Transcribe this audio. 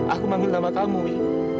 aku panggil nama kamu wi